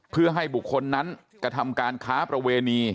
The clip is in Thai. เพื่อให้บุคคลนั้นกระทำการค้าประเวณี